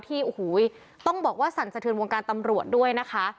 ที่โอ้โหต้องบอกว่าสั่นสะเทือนวงการตำรวจด้วยนะคะ